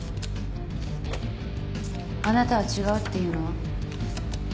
あなたは違うっていうの？